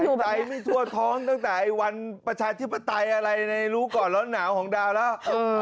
ใจไม่ทั่วท้องตั้งแต่วันประชาธิปไตยอะไรในรู้ก่อนร้อนหนาวของดาวแล้ว